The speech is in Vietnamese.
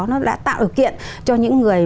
nó đã tạo điều kiện cho những người